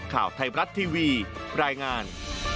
ข่าวไทยบรัฐทีวีรายงาน